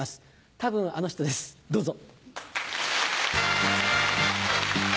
多分あの人ですどうぞ！